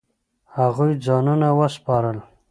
هغوی ځانونه وسپارل.